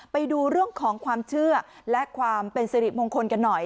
ไปดูเรื่องของความเชื่อและความเป็นสิริมงคลกันหน่อย